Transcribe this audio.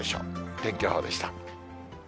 天気予報でした。